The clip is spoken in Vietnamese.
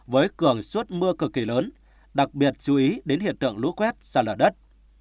với cường suốt mưa cực kỳ lớn đặc biệt chú ý đến hiện tượng lúa quét sàn lở đất